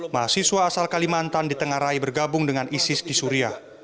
mahasiswa asal kalimantan di tengah rai bergabung dengan isis di suriah